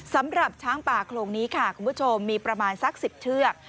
สำหรับช้างป่าโครงนี้ค่ะคุณผู้ชมมีประมาณสัก๑๐เชือก